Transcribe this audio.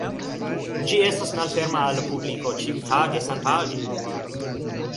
Ĝi estas malferma al la publiko ĉiutage senpage.